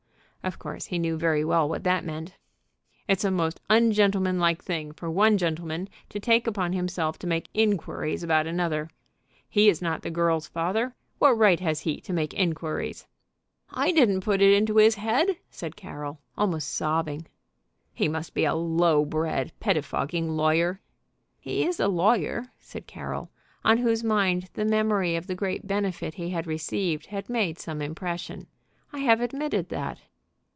Of course he knew very well what that meant. "It's a most ungentlemanlike thing for one gentleman to take upon himself to make inquiries about another. He is not the girl's father. What right has he to make inquiries?" "I didn't put it into his head," said Carroll, almost sobbing. "He must be a low bred, pettifogging lawyer." "He is a lawyer," said Carroll, on whose mind the memory of the great benefit he had received had made some impression. "I have admitted that."